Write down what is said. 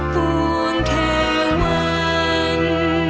ห่วงแค่วัน